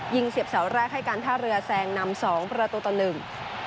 เสียบเสาแรกให้การท่าเรือแซงนำสองประตูต่อหนึ่ง